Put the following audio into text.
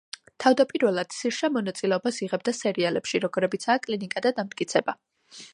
თავდაპირველად სირშა მონაწილეობას იღებდა სერიალებში, როგორებიცაა „კლინიკა“ და „დამტკიცება“.